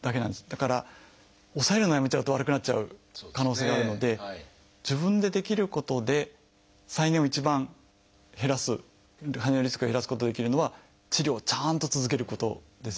だから抑えるのをやめちゃうと悪くなっちゃう可能性があるので自分でできることで再燃を一番減らす再燃のリスクを減らすことができるのは治療をちゃんと続けることですね。